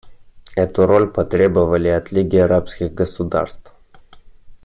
Эту роль потребовали от Лиги арабских государств.